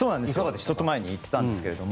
ちょっと前に行っていたんですけど